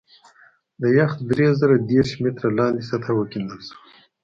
د یخ درې زره دېرش متره لاندې سطحه وکیندل شوه